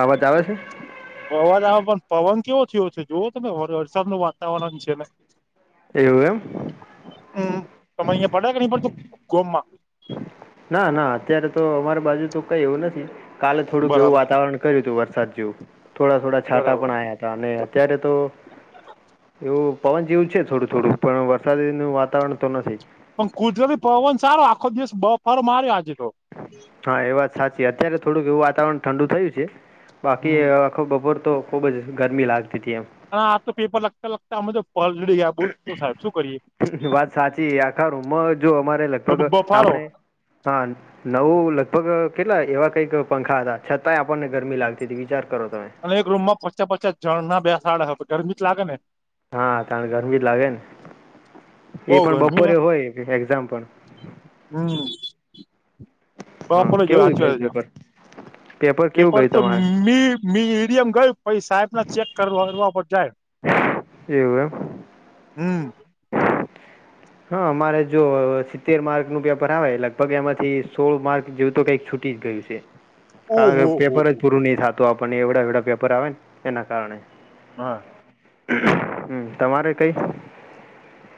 આવાજ આવે છે? અવાજ પણ પવન કેવો થયો છે જોવો તમે વરસાદ નું વાતાવરણ છે ને એવું એમ. હમ્મ તમે અહીં પડે કે પડે કે નઈ પડતું ગોમા ના ના અત્યારે તો અમાર બાજુ તો કઈ એવું નથી કાલે થોડુંક એવું બરાબર વાતાવરણ કર્યું તું વરસાદ જેવું થોડા થોડા છાટા બરાબર પણ આયા હતા અને અત્યારે તો એવું પવન જેવું છે થોડું થોડું પણ વરસાદીનું વાતાવરણ તો નથી પણ કુદરતી પવન સારો આખો દિવસ બફારો માર્યો આજે તો હા એ વાત સાચી અત્યારે થોડુંક એવું વાતાવરણ ઠંડુ થયું છે બાકી હમ અ આખો બપોર તો ખૂબ જ ગરમી લાગતી તી એમ હા આજ તો પેપર લખતા લખતા અમે તો પલડી ગ્યા વાત સાચી આખા રૂમમાં જો અમારે લગભગ કે બફારો આપડે હા નવું લગભગ કેટલા એવા કઈક પંખા હતા છતાંય આપણને ગરમી લાગ તી તી વિચાર કરો ત અને એક રૂમ માં પચા પચા જણ ના બે સાડા હ તો ગરમી જ લાગે ને હા તાણ ગરમી જ લાગે ને બઉ એ પણ બપોરે હોય એક્ઝામ પણ હમ્મ હા બપોરે જ હોય કેવું ગયું હાચી [unintelligible] પેપર પેપર જ એ કેવું પણ ગયું તો તમારે મી મીડીએમ ગયું પછી સાહેબ ના ચેક કરવા કરવા પર જાય. એવું એમ હમ્મ હા અમારે જો સિત્તેર માર્કનું પેપર આવે લગભગ એમાંથી સોળ માર્ક જેવું તો કઈક છુ ટી જ ગયું છે. કારણ કે ઓહો હો પેપર જ પૂરું નહી થાતું આપણને એવડા એવડા પેપર આવે ને એના કારણે હ હમ્મ તમારે કઈ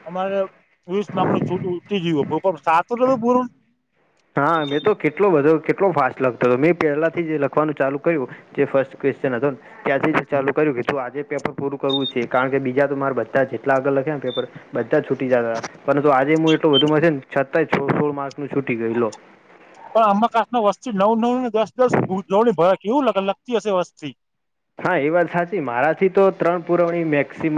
અમારે તીસ માર્ક છૂ ઉટી જ્યું હ [unintelligible] પણ થાતું નાતુ પૂરું હા મેં તો કેટલો બધો કેટલો ફાસ્ટ લખતો તો મેં પહેલાથી જે લખવાનું ચાલુ કયુ જે ફર્સ્ટ ક્વેશચન હતો ત્યાંથી જ ચાલુ પણ કર્યું કીધું આજે પેપર પૂરું કરવું છે કારણ કે બીજા તો મારે બધા જેટલા આગળ લખ્યા ન પેપર બધા છૂટી જાતા તા પરંતુ આજે હું એટલો બધુ મથ્યો ને છતાંય સોળ સોળ માર્ક નું છૂટી ગયું લો. પણ અંબા કાસમાં વસ્તી નઉ નઉ ને દસ દસ પૂર વણી ભ કેવું લગ લગતી હશે વસ્તી હા એ વાત સાચી મારા થી તો ત્રણ પુરવણી મેક્સિમમ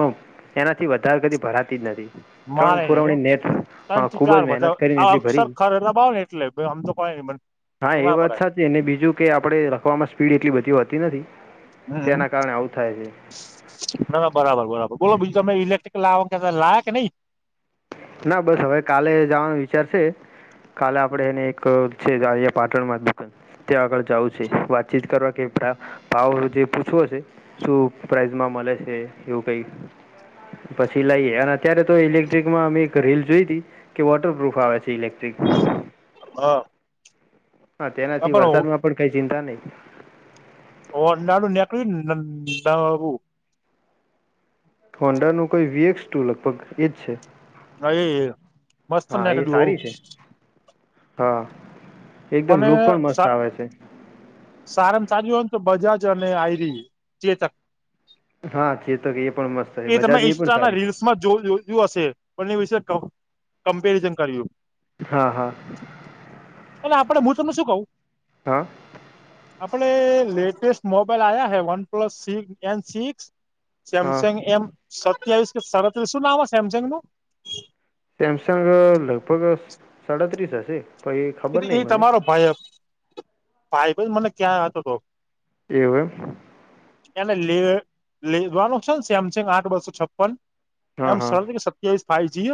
એનાથી વધારે કદી ભરાતી જ નથી ત્રણ મારે નઈ હો પુરવણી નેટ હા ત્રણ થી ખૂબ જ ચાર મહેનત કરીને બધા એટલી ભરી અક્ષર ખર રબાવ ને એ એટલે મેં આમ તો કઈ મન હા એ વાત સાચી અને બીજું કે આપડે લખવામાં સ્પીડ એટલી બધી હોતી નથી તેના કારણે આવું થાય છે. ના ના બરાબર બરાબર બોલો બીજું તમે ઇલેક્ટ્રિક લાવા કેતા તા લાયા કે નઈ ના બસ હવે કાલે જવાન વિચારશે કાલે આપડે એને એક છે આહ્યા પાટણમાં દુકાન ત્યાં આગળ જાઉ છે વાતચીત કરવા કે તા ભાવ જે પૂછવો છે શું પ્રાઇઝમાં મલે છે એવું કંઈ પછી લઈએ અને અત્યારે તો ઇલેક્ટ્રિકમાં અ રીલ જોઈ હતી કે વોટરપ્રુફ આવે છે ઇલેક્ટ્રિક હા હા. હા તેનાથી વરસાદ માં પણ કઈ ચિંતા નહી. ઓ નાડું નીકળ્યું ને હોંડા ન કોઈ વીએક્સ ટુ લગભગ એજ છે. એ મસ્ત હા એ નીકળ્યું સારી છે હા. એકદમ અને લુક પણ મસ્ત સા આવે છે સારા સાર હોય ને તો બજાજ અને આયરી ચેતક હા છે તો કે એ પણ મસ્ત છે એ તમે બજાજ ની પણ ઇન્સ્ટાના સારી છે. રીલ્સમાં જો જોયું હશે પણ એ વિશે કમ્પેરિઝન કર્યું. છે હા હા. અને આપડે હુંતમું શું કવું. હા. આપડે લેટેસ્ટ મોબાઈલ આવ્યા હે વન પ્લસ એન સિક્સ હા સેમસંગ એમ સત્યાવીસ કે સાડત્રીસ શું નામ સેમસંગ નું સેમસંગ લગભગ સાડાત્રીસ હશે. પણ એ ખબર નહિ એ મને તમારો ભાઈ ભાઈ ભાઈ મને ક્યાં હતો હતો. એવુ એમ. એને લ લેવાનું છે ને સેમસંગ આઠ બસો છપ્પન હા એમ હા સત્યાવીસ ફાઈ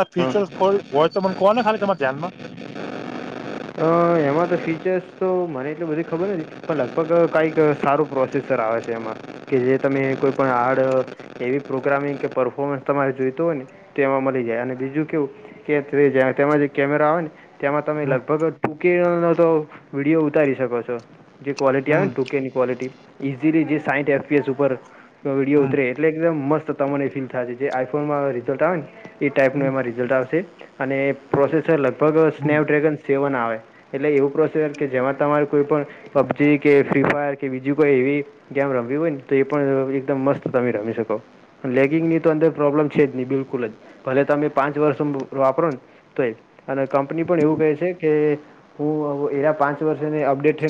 એ ફ્યુચર હોય તો ક ને ખાલી તમા ધ્યાનમાં [inaudible] અ એમાં તો ફીચર્સ તો મને એટલ બધી ખબર નથી પણ લગભગ કઈક સારું. પ્રોસેસર આવે છે એમાં કે જે તમે કોઈપણ હાર્ડ. એવી પ્રોગ્રામિંગ કે પરર્ફોર્મન્સ તમારે જોઈતું હોય ને તો એમાં મળી જાય અને બીજું કેવું કે તેમાં જે કેમેરા આવે ને તેમાં તમે હમ લગભગ ટ કે તો વિડીયો ઉતારી શકો છો જે ક્વોલિટી આવે હમ ને ટૂકેની ક્વોલિટી ઇઝીલી જે સાઈઠ એફપીએસ ઉપર વ વિડીયો હમ ઉતરે એટલે એકદમ મસ્ત તમને એ ફીલ થાય છે જે આઈફોનમાં રિઝલ્ટ આવે ને એ ટાઈપનું એમાં રિઝલ્ટ આવશે. અને પ્રોસેસર લગભગ હમ સ્નેપડ્રેગન સેવન આવે એટલે એવું પ્રોસેસર કે જેમાં તમારે કોઈ પણ પબજી કે ફ્રી ફાયર કે બીજી કોઈ એવી. કેમ રમવી હોય ને તો એ પણ એકદમ મસ્ત તમે રમી શકો. લેગિંગ ની તો અંદર પ્રોબ્લેમ છે જ નહી બિલકુલ જ ભલે તમે પાંચ વર્ષ વાપરો ને તો એ અને કંપની પણ એવું કહે છે કે. હું એના પાંચ વર્ષને અપડેટ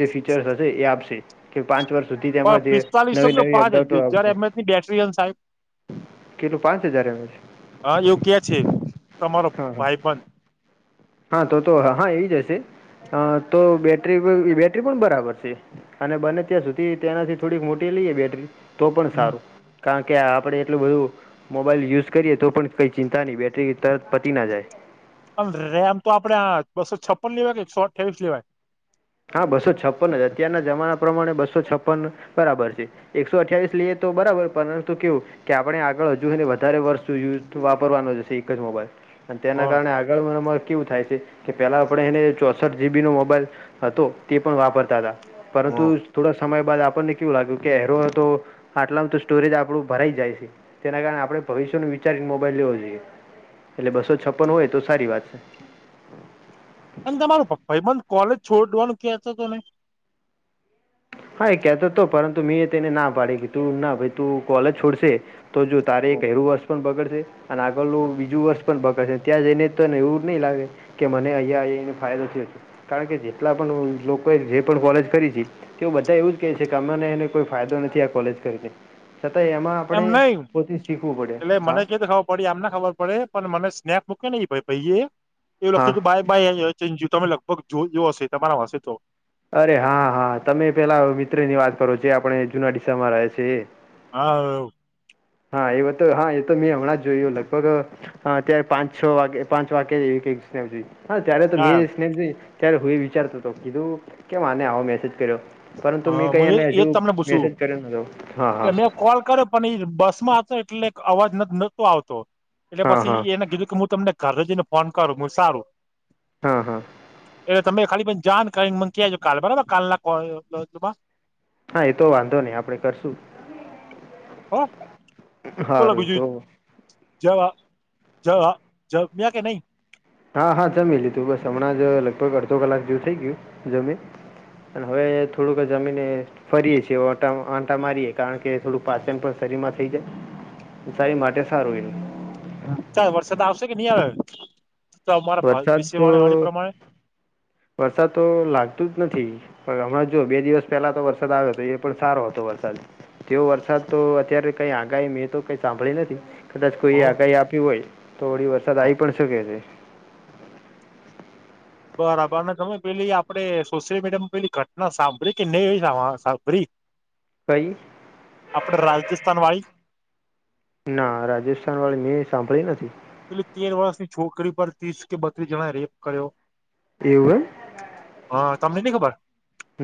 જે ફીચરસ હશે એ આપશે. કે પાંચ વર્ષ સુધી પણ તેમાં જે પિસ્તાલીસો નવી કે નવી પાંચ અપડેટો હજાર આવશે. એમએચની બેટરી અને સારી કેટલું પાંચ હજાર એવે. હા યોગ્ય છે તમારો હા ભાઈ બન હા તો તો હા એજ હશે તો બેટરી બેટરી પણ બરાબર છે. અને બને ત્યાં સુધી તેનાથી થોડીક મોટી લઈએ બેટરી તો પણ હમ સારું. કારણ કે આપણે એટલું બધું મોબાઈલ યુઝ કરીએ તો પણ કંઈ ચિંતા નહીં બેટરી તરત પતી ના જાય. અને રેમ તો આપડે બસો છપ્પન લેવાય કે એકસો અઠ્યાવીસ લેવાય [unintelligible] હા બસો છપ્પન જ અત્યારના જમાના પ્રમાણે બસો છપ્પન બરાબર છે. એકસો અઠ્યાવીસ લઈએ તો બરાબર પરંતુ કેવું. કે આપણે આગળ હજુ વધારે વર્ષ યુઝ વાપરવાનો જશે એક જ મોબાઈલ. અને તેના હા કારણે આગળમાં કેવું થાય છે કે પેલા આપણે એને ચોસઠ જીબી નો મોબાઈલ હતો તે પણ વાપરતા હતા પરંતુ હા થોડા સમય બાદ આપણને કેવું લાગ્યું કે હરો તો આટલામાં તો સ્ટોરેજ આપડું ભરાઈ જાય છે. તેના કારણે આપડણે ભવિષ્યને વિચારીને મોબાઈલ લેવો જોઈએ એટલે બસો છપન હોય તો સારી વાત છે. અને તમારરો ભાઈબંધ કોલેજ છોડવાનું કેતો હતો નને હા એ કેહેતો હતો પરંતુ મેં તેને ના પાડી કે તું ના ભાઈ તું કોલેજ છોડશે. તો જો તારે એક એરું વર્ષ પણ બગડશે. અને આગળનું બીજું વર્ષ પણ ભગડશેને ત્યાં જઈને તો ને એવું નહીં લાગે. કે મને અહીંયા અને ફાયદો થયો હતો કારણ કે જેટલા પણ લોકોએ જે પણ કોલેજ કરી તી કેવું બધા એવું જ કહે છે કે અમને એને કોઈ ફાયદો નથી આ કોલેજ કરીને છતાંય એમાં. એમ આપણે નહી પોતે શીખવું પડે એટલે હા મને કેતો ખબર પડી આમને ખબર પડે પણ મને સ્નેપ મૂકે નહી ભાઈ પાઈ એ હા લખી બાય. ભાઈ તમે લગભગ જો એ હશે તમારા પાસે તો [unintelligible] અરે હા હા તમે પેલા મિત્ર ની વાત કરો જે આપણે જુના દડીશામાં રહે છે. હા હા એ વા તો હા એ તો મેં હમણાં જ જોયું લગભગ હ અત્યારે પાંચ છ વાગે પાંચ વાગ્ય એવી. હા ત્યારે તો મે હા ત્યારે હું એ વિચારતો હતો કીધું કેમ આને આવો મેસેજ કર્યો [unintelligible] પરંતુ હા મેં કઈ હું એ એને હજુ એજ તમને પૂછું મેસેજ કર્યો નતો હા હા. એટલે મેં કોલ કરે પણ એ બસ માં હતો એટલે અવાજ નતો આવતો. એટલે હા હા પછી એને કીધું કે હું તમને ઘરે જઈને ફોન કરું. હું સારું હા હા. એટલે તમે ખાલી પણ જાાન કરીને મકીજો કાલ બરાબર કાલ નામાં [unintelligible] હા એ તો વાંધો નહી આપડે કરશું. હ બોલો હારું એ બીજું તો જ જ જ મે્યા કે નહી [unintelligible] હા હા જમી લીધું બસ હમણાં જ લગભગ અડધો કલાક જેવું થઇ ગયું જમે અને હવે થોડુંક જમીન ફરીએ છીએ આંટા મારીએ કારણ કે થોડું પાચન પણ શરીરમાં થઈ જાય. શરીર માટે સારું એ. ચાલ વરસાદ આવશે કે નહી આવે તો મારા વરસાદ વિષ વા વાણી તો પ્રમાણે વરસાદ તો લાગતું જ નથી. પણ હમારે જો બે દિવસ પહેલા તો વરસાદ આવ્યો હતો એ પણ સારો હતો વરસાદ તે વરસાદ તો અત્યારે કઈ આગાહી મેં તો કઈ સાંભળી નથી. કદાચ કોઈએ હ આગાહી આપી હોય તો થડી વરસાદ આવી પણ શકે છે. બરાબર અને તમે પેલી આપડે સોશિયલ મીડિયા માં પેલી ઘટના સાંભળી કે નહી એ સાંભળી. કઈ આપણે રાજજસ્થાન વારી. ના રાજસ્થાન વાળી મેં સાંભળી નથી. પેલી તેર વર્ષની છોકરી પર ત્રીસ કે બત્રીસ જણા રેપ કર્યો. એવું એમ. હા તમને નઈ ખબર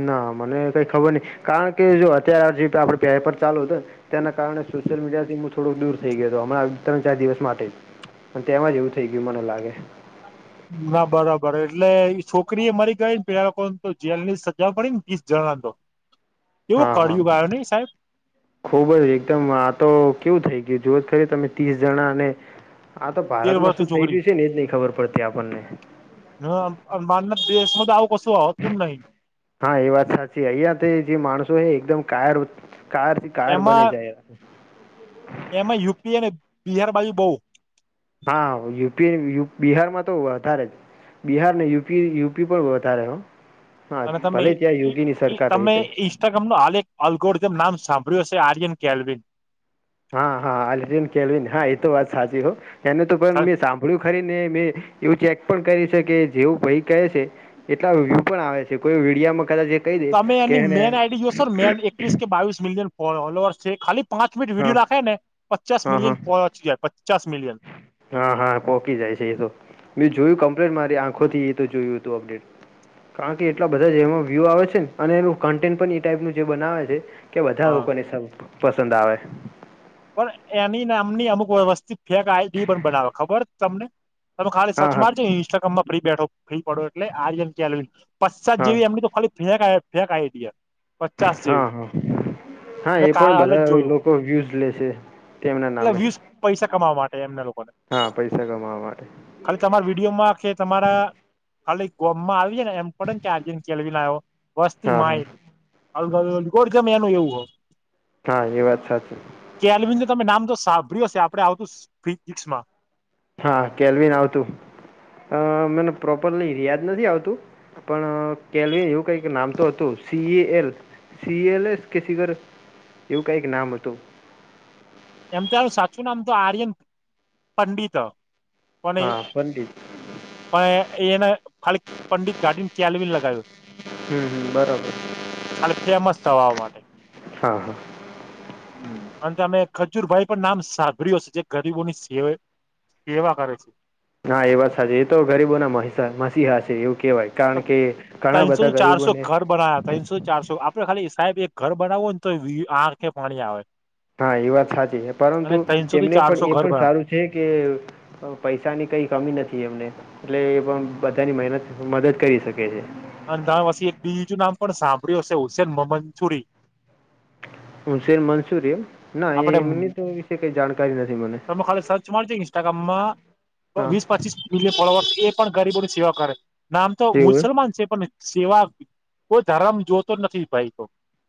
ના મને કઈ ખબર નઈ કારણ કે જો અત્યારે જે આપડે પ્યાપ ચાલુ હતું ને. તેના કારણે સોશિયલ મીડિયા થી હું થોડું દૂર થઈ ગયો હ. ત્રણ ચાર દિવસ માટે જ પણ તેમાં જ એવું થઇ ગયું મને લાગે. ના બરાબર એટલે છોકરી એ મારી ગઈ ને પેકોને તો જેલ ની સજાવા પડી ને તીસ જણા તો. [inaudible] હા હા કળિયુગ આવ્યો નહી સાહેબ ખૂબ જ એકદમ આ તો કેવું થઈ ગયું જુઓ તો ખરી તમે ત્રીસ જણા અને આા તો તેર ભારતમાં વર્ષની શું થઈ છોકરી રહ્યું છે ને એ જ નહી ખબર પડતી આપણને. હ આ બહારના દેશમાં તો આવું કશું હોતું જ નહીં. હા એ વાત સાચી અહિયાંથી જે માણસો હ એકદમ કાયર વૃત કાયરથી એમાં એમાં યુપી અને બિહાર બાજુ બહુ. હા યુપી બિહારમાં તો વધારે જ. બિહાર ને યુપી યુપી પણ વધારે હો. હા અને તમે ભલે ત્યાં યોગી ની સરકાર તમે રહી તોય. [unintelligible] નો આલેખ અલગોરીધમ નામ સાંભળ્યું હશે આર્યન કેલવીન. હા હા એલ્વિન કેલ્વિન હા એ તો વાત સાચી હો એને તો પણ મેં સાં ભળ્યુ ખરીને મેં એવું ચેક પણ કરી છે કે જેવું ભાઈ કહે છે એટલા વ્યૂ પણ આવે છે કોઈ વિડિયામાં કદાચ એક. તમે એની મેન આઈડી જોશો ન મેન એકવીસ કે બાવીસ મિલિયન. ફોલોઅર્સ છે, ખાલી પાંચ મિનટ હા વિડીયો રાખે ને પચાસ હા હા મિલિયન પહોંચી જાય પચાસ મિલિયન. હા હા પોકી જાય છે એ તો મે જોયુ કમ્પ્લેટ મારી આંખો થી એ તો જોયું હતું અપડેટ. કારણ કે એટલા બધા જ એમાં વ્યૂ આવે છે ને અને એનું કન્ટેન્ટ પણ એ ટાઈપનું જે બનાવે છે કે બધા હા લોકોને સાલું પસંદ આવે. પણ એની નામની અમુક વ વસ્તી ફેક આઈડી પણ બનાવે ખબર તમને? તમે ખાલી હા સર્ચ હા મારજો ઇ ઇન્સ્ટાગ્રામમાં ફ્રી બેઠો ફ્રી પડો એટલે આર્યન કેલ્વિન. પચ્ચાસ હા જેવી એમની તો ખાલી ફેંક ફેંક આઇડી હ. હમ્મ હમ્મ, હા મેં એ પણ કાલે જ બધા જોયું લોકો વ્યુઝ લેશે. એટલે વ્યુસ પૈસા કમાવા માટે એમને લોકોને. હા પૈસા કમાવવા માટે. ખાલી તમારા વિડીયોમાં કે તમારા. ખાલી ગોમમાં આવી એને એમ પડે ને આર્યન કેલ્વિન આવ્યો. વસ્તી હા હા માય નહિ અલ અલગોરીધમ એનું એવું હ. હા એ વાત સાચી. કેલ્વિન તો તમે નામ તો સાંભળ્યું હશે આપણે આવતું ફિઝિક્સ માં. હા કેલ્વિન આવતું, અ મન પ્રોપર યાદ નથી આવતું. પણ કેલ્વિન એવું કઈક નામ તો હતું સીએએલ. સીએલએસ કે સિગર એવું કંઈક નામ હતું. એમ તો એનું સાચું નામ તો આર્યન પંડિત હ. હા પંડિત. પણ એન ખાલી પંડિત કાઢી ન કેલ્વિન લગાયું. હમ હમ બરોબર. ખાલી ફેમસ થવાવા માટે. હા હા. હું પણ તમે. ખજૂરભાઈ પણ નામ સાંભળ્યું હશે જે ગરીબોની સેવે સેવા કરે છે. હા એ વાત સાચી એ તો ગરીબો ના મહિસા મસીહા છે એવું કેવાય. તો તઇનસો થી ચારસો ઘર બનાયા તઇનસો. ચારસો આપડે ખાલી સાહેબ એક ઘર બનાવું હોય ને તો આંખે પાણી આવે. હા એ વાત સાચી છે પરંતુ અને ત્રણસો થી એમને પણ ચારસો એ ઘર પણ બનાવ સારું છે કે પૈસાની કઈ કમી નથી એમને એટલે એ પણ બધાની મહેનત મદદ કરી શકે છે. અંધાવસી બીજું નામ પણ સાંભળ્યું હશે હુસેન મોમનસુરી હુસેન મન્સૂરી એમ ના આપડે એમની તો વિશે કઈ જાણકારી નથી મને તમે ખાલી સર્ચ મારજો ઇન્સ્ટાગ્રામમાં હા વીસ પચીસ ઇન્ડિયન ફોલોવર એ પણ ગરીબો ની સેવા કરે નામ તો એવું એમ મુસલમાન છે પણ સેવા કોઈ ધર્મ જોતો નથી ભાઈ તો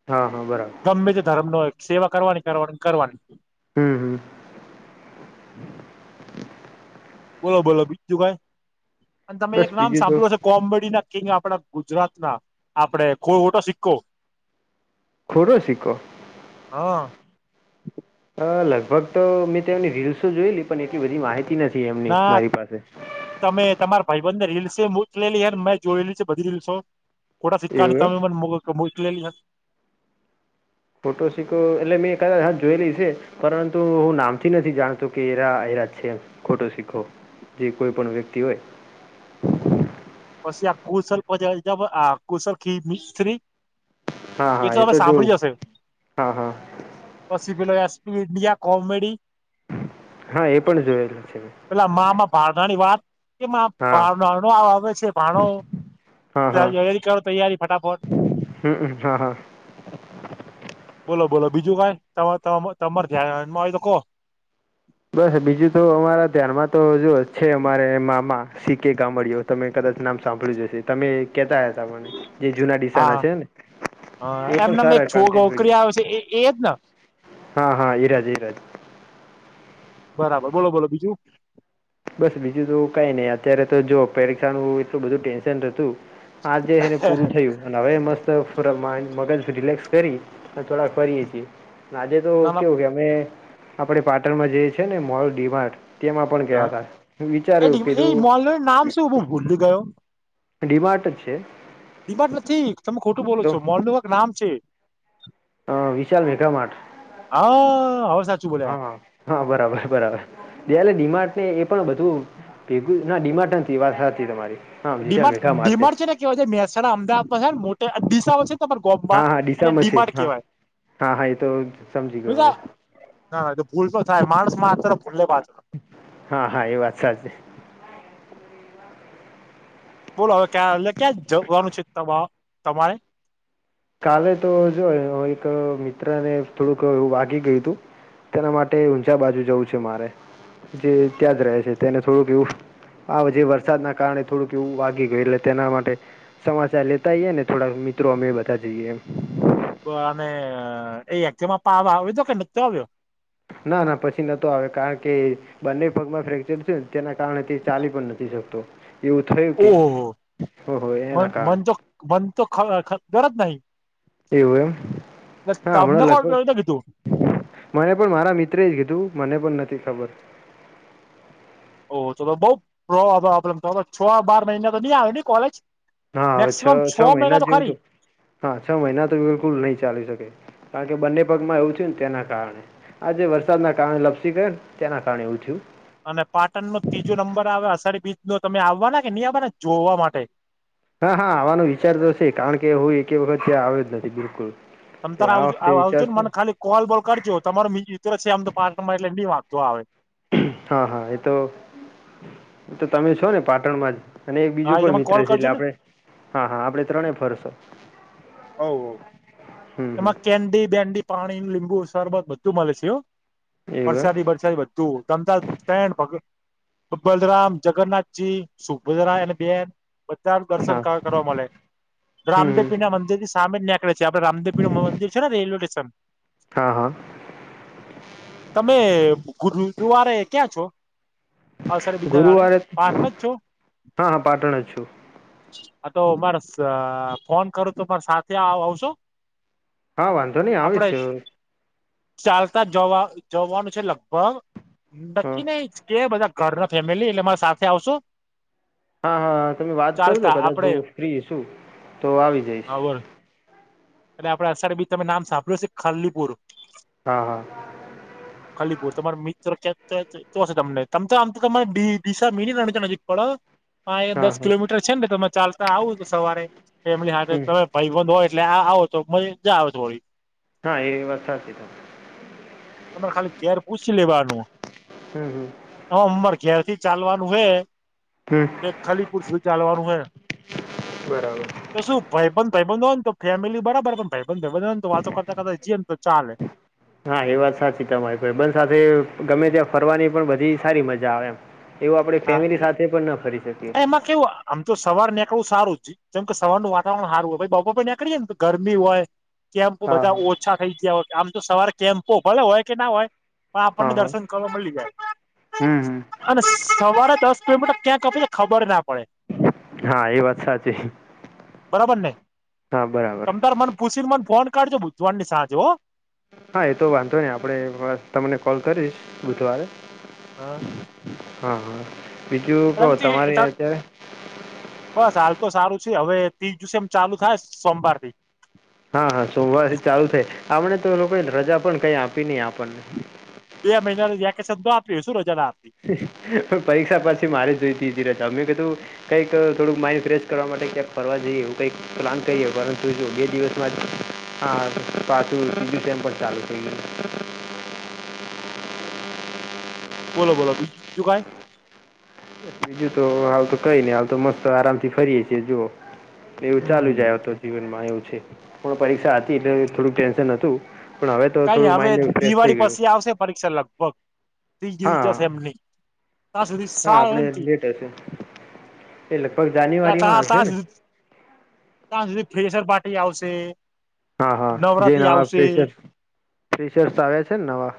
હા હા બરાબર ગમે તે ધર્મ નો હોય સેવા કરવાની કરવાની ન કરવાની હમ્મ, હમ્મ. બોલો બોલો બીજું કઈ અને તમે બસ એક નામ બીજું તો સાંભળ્યું હસે કોમેડીના કિંગ આપડા ગુજરાતના આપડે ખોટો સિક્કો ખોટો સિક્કો હા અહ લગભગ તો મેં તેવોની રીલ્સો જોયેલી પણ એટલી બધી માહિતી નથી એમની ના મારી પાસે તમે તમારા ભાઈ બંધને રીલસે મુકલેલી હે મેં જોયેલી છે બધી રીલ્સો ખોડા સિક્કાન એવું એમ તમે મને મોયક મોકલેલી હતી. ખોટો સિક્કો એટલે મેં કદાચ હા જોયેલી છે. પરંતુ હું નામથી નથી જાણતો કે એરા એરા જ છે ખોટો સિક્કો. જે કોઈ પણ વ્યક્તિ હોય પછી આ કુશલ પછ જ જબ આ કુશલ ખી મિસ્ત્રી હા હા એ તો જોવું હા હા પસી પેલો એસ પી ડીઆ કોમેડી હા એ પણ જોયેલું છે. પેલા મામાં ભાનના ની વાત કે માં હા ભાનના નો આવે છે ભાણો હા હા તૈયારી કરો તૈયારી ફટાફટ હમ હા હા બોલો બોલો બીજું કાઈ તમા તમા તમાર ધ્યાન હોય તો કહો બસ બીજું તો અમારા ધ્યાનમાં તો જોુ છે અમારે મામા સી કે ગામડઓ તમે કદાચ નામ સાંભળ્યું જ અશે તમે કેતા હતા મને જે જુના ડીસા ના છે ને એ હ પણ એમનમ એક સારા છો કન્ટેન્ટ છોગકરી વિડીયો આવસે એ એજ ન હા હા એરાજઈરાજ બરાબર બોલો બોલો બીજું બસ બીજું તો કઈ નહી અત્યારે તો જો પરીક્ષાનું એટલું બધું ટેન્શન રહેતું આજે એને પૂરું થયું અને હવે મસ્ત રમણ મગજ રિલેક્સ કરી અવે થોડાક ફરીએ છી આજે તો ના કેવું કે અમે આપણે પાટણમાં જઈ એ છે ને મોલ ડીમાર્ટ તેમાં પણ ના ગયા હતા એ વિચાર્યું ડિમલી કીધું મોલનું નામ શું હું ભૂલી ગયો. ડીમાર્ટ જ છે ડી માર્ટ નથી તમે ખોટું બોલો તો છો મોલનું કંઈક નામ છે. હ વિશાલ મેગા મા્ટ હા હવ સાચ હા હા બરાબર બરાબર જયારે ડી માર્ટ ને એ પણ બધું ભેગું ના ડી માર્ટ નથી ઈ વાત સાચી તમારી હા D Vishal Mart D Megha Mart Mart છે ને કેવાય છે મહેસાણા અમદાવાદમાં છે ન મોટે દિશાઓ છે તમા ગોમાં હા હા અને ડીસામાં છે ડીમાડ હા કેવાય હા હા એ તો સમજી ગયો બા હું [unintelligible] ના, એ તો ભૂલ તો થાય, માણસ માત્ર ભૂલે પાત હા, હા, એ વાત સાચી. બોલો, હવે ક્યાં એટલે ક્યાં જવાનું છે, તમારે. કાલે તો, જો હું એક મિત્ર ને થોડુંકું વાગી ગયું તું. તેના માટે ઊંઝા બાજુ જવું છે, મારે જે ત્યાં જ રહે છે, તેને થોડુંક એવું આ જે વરસાદના કારણે થોડુંક એવું વાગી ગયું, એટલે તેના માટે સમાચાર લેતા જઈએ ને, થોડા મિત્રો અમે બતાવા જઈએ. અને એ એકમાં પાવા આવ્યો તો કે, નતો આવ્યો. ના, ના, પછી નતો આવે કારણ કે બંને ભાગમાં ફ્રેક્ચર છેને, તેના કારણે તે ચાલી પણ નથી શકતો. એવું થયું કે, ઓહો હો હો એના કારણે. બને તો ખ ગરજ નહી. એવું એમ. હા, તમને હમણાં કોલ લખ કરીને કીધું મને પણ મારા મિત્ર જ કીધું, મને પણ નથી ખબર. ઓ તો તો બઉ પ્રોબ્લેમ થાય છે, બાર મહિના તો નહી આવે ને કોલેજ. હા, હવે છે, મેક્સિમમ છ મહિના તો જેવું ખરી હતું. હા, છ મહિના તો બિલકુલ નહીં ચાલી શકે, કારણ કે બંને પગમાં એવું થયું ને તેના કારણે. આજે વરસાદના કારણે લપસી ગયો ને, તેના કારણે એવું થયું. અને પાટણ નો ત્રીજો નંબર આવે, અષાઢી બીજ નો તમે આવવાના કે નહી આવવાનાને જોવા માટે. હા, હા, આવાનો વિચારતોશે, કારણ કે હું એક વખત ત્યાં આવે જ નથી બિલકુલ. તો, તો એ આ આવજ વખતે આવજો ને, વિચારશે મને ખાલી કોલ બોલ કરજો, તમારો છે, આમ તો પાર્ટનર એટલે નહી વાંધતો આવે. હા, હા, એતો તો તમે છો ને, પાટણમાં જ અને એક બીજું હા એ પણ તમે મિત્ર કોલ છે, કરજો એટલે ને આપણે હા, હા, આપણે ત્રણે ફરશો. હવે, હ, હમ હમ એમાં કેન્ડી બેન્ડી પાણી લીંબુ શરબત બધું મળે છે. એવું વરસાદી, વરસાદી. હું ધમદ ભ બલરામ જગન્નાથજી શું? ગુજરા અને બે બધા એમ દર્શન હા કરવા મળે, હમ હમ રામદેવ ના મંદિર. થી સામે નીકે છે, આપે રામદેપી નું મંદિર છેને, રેલવે સ્ટેશન હા હા તમે ગુરવારે ક્યાં છો? હા, સરરે બિનાડે ગુરુવારે પાટ જ છો. હા હા પાટણ જ છું હા, તો મારે ફોન કરું તો, મારે સાથે આવી આવશો. હા, વાંધો નહી આપડે આવીશ. ચાલતા જવા જવાનું છે, લગભગ હા નકી નહીં કે બધા ઘર ને ફેમિલી એટલે મારે સાથે આવશું. હા, હા તમે વાત કરજો, કદાચ આપડે હ ફ્રી શું તો આવીશ. હબર અનેટ આપે અસાર બી તમે નામ સાંભળ્યું છે, ખરલીપુર. હા, હા. ખલીપુર તમારો મિત્ર ક્યાં? તો હશે, તમને તમ તો આમ તો તમા દિશા મીની છે, નજીક પડ હ, હા દસ હા કિલોમીટર છે ને, તમે ચાલતા આવું, સવારે ફેમિલી સાથે હમ તમે. ભાઈ-બંધ હોય, એટલે આવો તો મજજા આવે હોડી. હા, એ વ્યવસ્થા છે ત તમારે ખાલી કેર, પૂછી લેવાનું. હમ, હમ. હ ઉંમર ક્યાારથી ચાલવાનું હે હમ તે ખાલી [unintelligible] ચાલવાનું હૈ બરાબર તો શું ભાઈ બંધ ભાઈબંધ હોય ને તો ફેમિલી બરાબર પણ ભાઈ બંધ ભાઈબંધ હોય તો વાતો કરતા કરતા જીએ તો ચાલે હા એ વાત સાચી તમારી ભાઇબંધ સાથે ગમે ત્યાં ફરવાની પણ બધી સારી મજા આવે એમ એવું આપણેે હા ફેમિલી સાથે પણ ના ફરી શકીએ એમાં કેવું આમ તો સવાર નિકળવું સારું જ જેમ કે સવારનું વાતાવરણ સારું હોય બપોરે પછી નીકળીએ ને તો ગરમી હોય કેમ્પો હા બધા હા ઓછા થઇ ગયા હોય આમ તો સવારે કેમ્પો ભલેે હોય કે ના હોય પણ હા આપણને હા દર્શન કરવા મળી જાય હમ હમ અને સવારે દસ કિલોમીટર ક્યાંક કપે ખબર ના પડે હા એ વાત સાચી બરાબર ને હા બરાબર ત તાર મને પુછીને મને ફોન કરજો બુધવાર ની સાંજે હો હા એ તો વાંધો નહી આપણે તમને કોલ કરીશ બુધવારે હા હા હા બીજું કહો તમારી એટલે અત્યારે બસ હાલ તો સારું છે હવે ત્રીજ સેમ ચાલુ થાય સોમવાર થી હા હા સોમવારથી ચાલુ થાય આપમણે તો લોકો રજા પણ કઈ આપી નઈ આપણને બે મહિના વેકેશનો આપ શું રજા ના આપે પણ પરીક્ષા પછી મારે જોઈતી તી મેમે કીધું કંઈક થોડુંક માઈન્ડ ફ્રેશ કરવા માટે ક્યાંક ફરવા જઈ એવું કઈક પ્લાન કરીએ પરંતુ જો બે દિવસમાં જ હા પાછું ત્રીજુ સેમ પણ ચાલુ થઈ ગયું બોલો બોલો બીજું તું કઈ બીજું તો હાલ તો કઈ નઈ હાલ તો મસ્ત આરામ થી ફરીય છીએ જોુઓ એવું ચાલુ હમ જાય તો જીવનમાં એવું છે પણ પરીક્ષા હતી એટલે થોડુંક ટેન્શન હતું પણ હવે તો કઈ થોડુંક હવે માઈન્ડ ફ્રેશ થઈ દિવાળી ગયું પછી આવશે પરીક્ષા લગભગ ત્રીજી હા જશે એમની ત્યાં સુધી હા સાવ આપડે એમથી લેટ હશે એ લગભગ જાન્યુઆરી માં હશે ત્યાં ને સુધી ત્યાં સુધી ફ્રેશર પાટી આવશે હા હા જે નવરાત્રી નવા આવશે ફેશર્સ આવ્યા છે ને નવા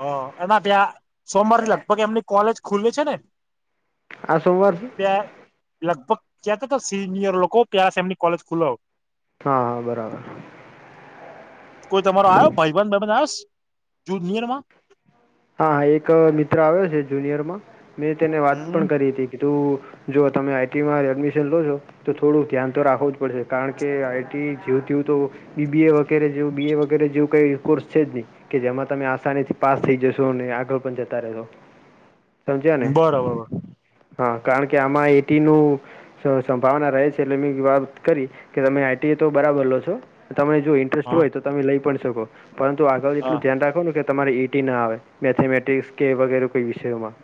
હ એના ત્યાં સોમવાર લગભગ એમની કોલેજ ખુલ્લી છે ને આ સોમવાર ત્યાં લગભગ ક્યાં સિનિયર લોકો ત્રીજા સેમ ની કોલેજ ખુલો હા હા બરાબર કોઈ તમારો આવ્યો ભાઇબંધ આવ્યો જુનિયર માં હા હા એક મિત્ર આવ્યો છે જુનિયર માં મેં તેને વાત પણ કરી હતી તું જો તમે આઈટીમાં એડમિશન લો છો તો થોડું ધ્યાન તો રાખવું જ પડશે કારણ કે આઈટી જેવ જવું તો બીબી એ વગેરે જેવું બી એ વગેરે જેવું કઈ કોર્સ છે જ નહી કે જેમાં તમે આસાની થી પાસ થઈ જશો જો નહી આગળ પણ જતા રહેશો સમજ્યા ને બરોબર હા કારણ કે આમાં એટી નું સંભાવના રહે છે એટલે મેં વાત કરી કે તમે આઈટીએ તો બરાબર લો છો તમે જો ઇ ઈન્ટ્રસ્ટ હા હોય તો તમે લઈ પણ શકો પરંતુ આગળ હા એટલું ધ્યાન રાખો ને કે તમારે એટી ન આવે મેથેમેટિક્સ કે વગેરે કોઈ વિષયોમાં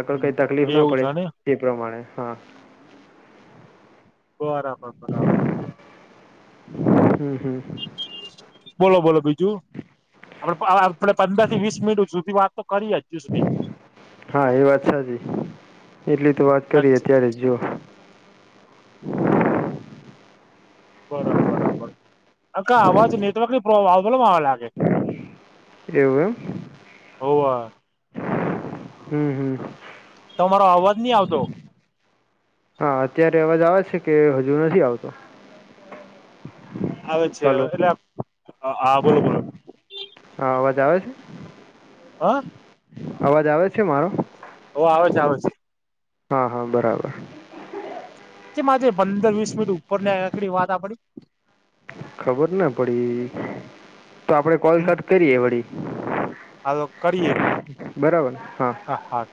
આગળ કઈ તકલીફ ના એવું છે પડે ને એ પ્રમાણે હા બરાબર બરાબર હમ હમ બોલો બોલો બીજું આપડે [unintelligible] આપણે પંદર થી વીસ મિનિટ સુધી વાત તો કરી હજુ સુધી હા એ વાત સાચી, એટલી તો વાત કરી અચ્છા અત્યારે જ જુઓ. બરાબર બરાબર અકા આવાજ નેટવર્ક ની પ્રોબ્લેમ આવે લાગ એવું એમ હોવે હમ હમ તમારો અવાજ ની આવતો. હા અત્યારે અવાજ આવે છે કે હજુ નથી આવતો. આવે જ છે હવે હલો એટલે અ હા બોલો બોલો. હા અવાજ આવે છે, હા અવાજ આવે છે મારો? ઓ આવે છે, આવે છે. હા હા બરાબર. ચમ આજે પંદર વીસ મિનિટ ઉપર નેકડી વાત આપડી. ખબર ના પડી, તો આપડે કોલ કટ કરીએ વળી. હા તો કરીએ. બરાબર, હા આહાર